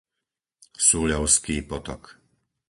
Súľovský potok